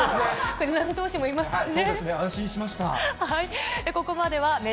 藤浪投手もいますしね。